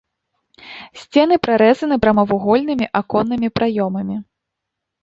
Сцены прарэзаны прамавугольнымі аконнымі праёмамі.